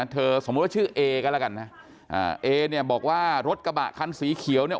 สมมุติว่าชื่อเอก็แล้วกันนะเอเนี่ยบอกว่ารถกระบะคันสีเขียวเนี่ย